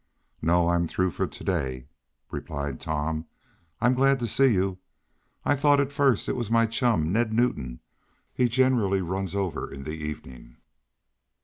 "No. I'm through for to day," replied Tom. "I'm glad to see you. I thought at first it was my chum, Ned Newton. He generally runs over in the evening."